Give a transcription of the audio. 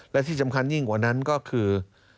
และที่สำคัญยิ่งกว่านั้นก็คือ